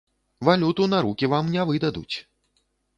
Валюту на рукі вам не выдадуць!